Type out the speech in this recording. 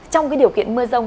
trong điều kiện mưa rông